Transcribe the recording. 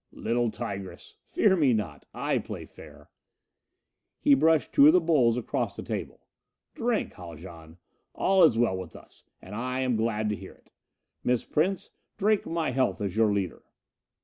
"Little tigress! Fear me not I play fair!" He pushed two of the bowls across the table. "Drink, Haljan. All is well with us, and I am glad to hear it. Miss Prince, drink my health as your leader."